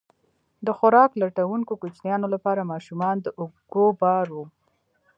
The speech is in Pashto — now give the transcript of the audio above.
د خوراک لټونکو کوچیانو لپاره ماشومان د اوږو بار وو.